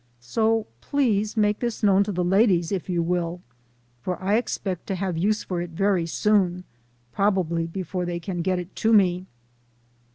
So please make this known to the ladies, if you will, for I expect to have use for it very soon, probably before they can get it to me.